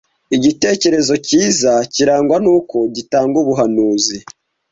Igitekerezo cyiza kirangwa nuko gitanga ubuhanuzi